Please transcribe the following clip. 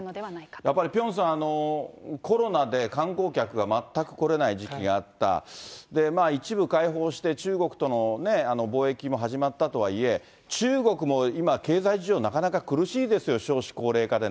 やっぱりピョンさん、コロナで観光客が全く来れない時期があった、一部開放して中国との貿易も始まったとはいえ、中国も今、経済事情、なかなか苦しいですよ、少子高齢化でね。